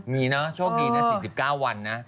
มีนะโชคดีนะ๔๙วันนะ